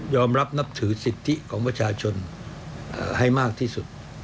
รับนับถือสิทธิของประชาชนให้มากที่สุด